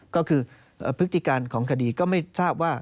ก็คือพฤติการของคดีก็ไม่ทราบว่า